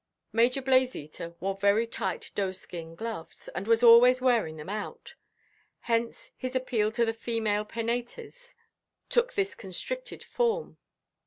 Major Blazeater wore very tight doeskin gloves, and was always wearing them out. Hence, his appeal to the female Penates took this constricted form.